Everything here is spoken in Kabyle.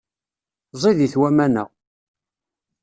Ẓidit waman-a.